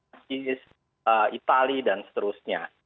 inggris itali dan seterusnya